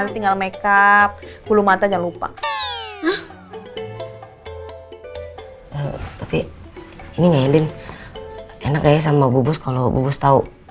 tinggal make up bulu mata jangan lupa tapi ini enak ya sama bubus kalau bubus tahu